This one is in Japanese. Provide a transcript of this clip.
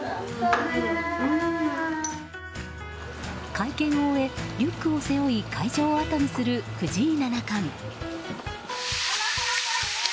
会見を終え、リュックを背負い会場をあとにする藤井七冠。